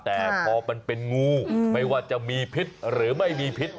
แต่พอมันเป็นงูไม่ว่าจะมีพิษหรือไม่มีพิษ